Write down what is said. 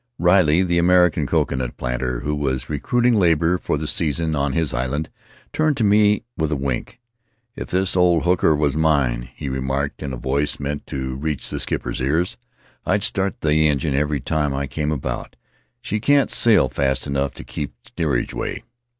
Riley, the American coconut planter, who was! recruiting labor for the season on his island, turned to me with a wink. "If this old hooker was mine," he remarked in a voice meant to reach the skipper's ears, "I'd start the engine every time I came about; she can't sail fast enough to keep steerageway